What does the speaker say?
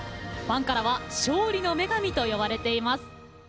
ファンからは勝利の女神と呼ばれています。